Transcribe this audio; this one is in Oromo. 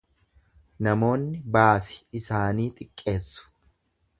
Namoonni baasi isaanii xiqqeessu.